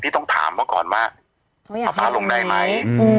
พี่ต้องถามว่าก่อนมาป๊าป๊าลงได้ไหม